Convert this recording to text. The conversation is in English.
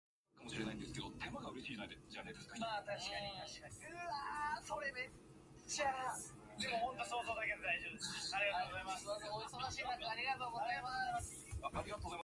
Its documents date from the seventeenth century.